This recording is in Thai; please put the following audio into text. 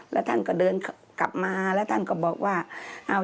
แล้วท่านก็เดินกลับมาแล้วท่านก็บอกว่า